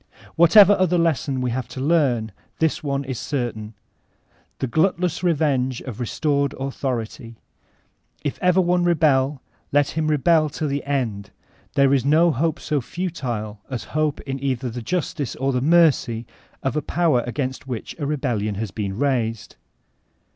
Whatever other lesson we have to leani, this one is certain: the glutless revenge of restored Authority. If ever one rebek, let him rebel to the end;* there is no hope so futile as hope in either the justice or the mercy of a power against which a rebellion has been, raised.